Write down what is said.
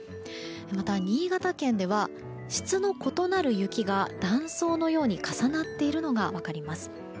また、新潟県では質の異なる雪が断層のように重なっているのが分かります。